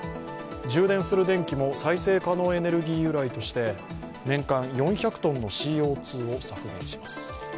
充電する電気も再生可能エネルギー由来として年間４００トンのＣＯ２を削減します。